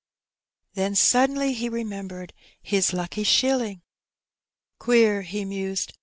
Then suddenly he remembered his " lucky shilling.'^ " Queer !^' he mused.